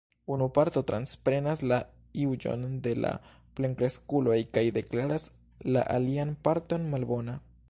Unu parto transprenas la juĝon de la plenkreskuloj kaj deklaras la alian parton malbona.